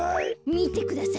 みてください。